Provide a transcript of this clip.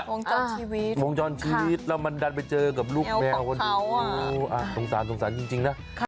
วงจรชีวิตวงจรชีวิตแล้วมันดันไปเจอกับลูกแมวมันดูสงสารสงสารจริงนะ